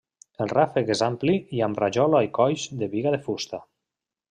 El ràfec és ampli i amb rajola i colls de biga de fusta.